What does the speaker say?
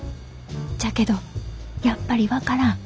じゃけどやっぱり分からん。